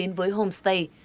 đến với homestay